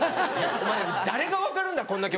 お前誰が分かるんだこんな曲。